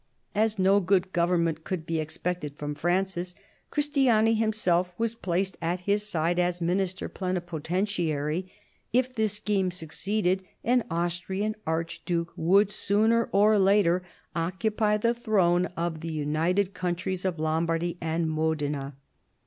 As no good 1748 57 THE EARLY REFORMS 83 government could be expected from Francis, Christiani himself was placed at his side as minister plenipotentiary. If this scheme succeeded, an Austrian archduke would sooner or later occupy the throne of the united countries of Lombardy and Modena.